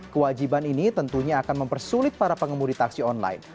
kewajiban ini tentunya akan mempersulit para pengemudi taksi online